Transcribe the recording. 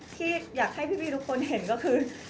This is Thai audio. ที่อยากให้พี่ทุกคนเห็นก็คือ